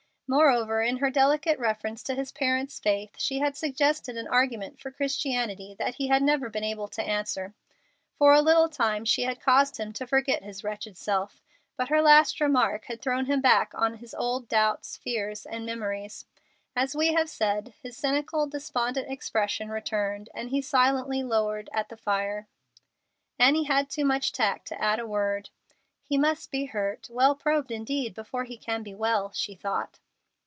Moreover, in her delicate reference to his parents' faith she had suggested an argument for Christianity that he had never been able to answer. For a little time she had caused him to forget his wretched self, but her last remark had thrown him back on his old doubts, fears, and memories. As we have said, his cynical, despondent expression returned, and he silently lowered at the fire. Annie had too much tact to add a word. "He must be hurt well probed indeed before he can be well," she thought.